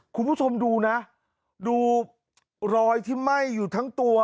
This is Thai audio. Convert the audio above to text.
คุณผู้ชมดูนะดูรอยที่ไหม้อยู่ทั้งตัว